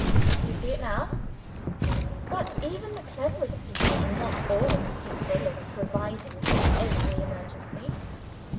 Do you see it now? But even the cleverest people are not always capable of providing for every emergency.